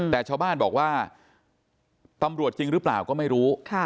แต่ชาวบ้านบอกว่าตำรวจจริงหรือเปล่าก็ไม่รู้